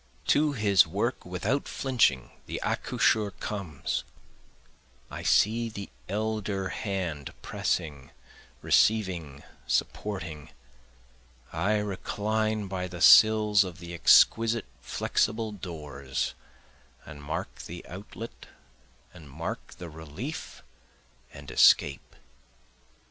To his work without flinching the accoucheur comes, I see the elder hand pressing receiving supporting, I recline by the sills of the exquisite flexible doors, And mark the outlet, and mark the relief and escape.